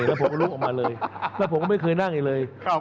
แล้วผมก็ลุกออกมาเลยแล้วผมก็ไม่เคยนั่งอีกเลย